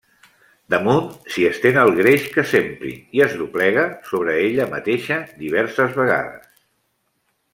Damunt s'hi estén el greix que s'empri i es doblega sobre ella mateixa diverses vegades.